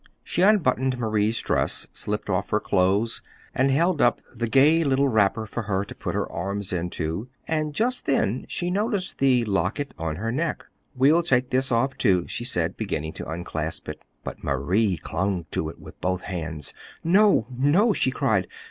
She unbuttoned Marie's dress, slipped off her clothes, and held up the gay little wrapper for her to put her arms into, and just then she noticed the locket on her neck. "We'll take this off, too," she said, beginning to unclasp it. But Marie clung to it with both hands. "No, no," she cried.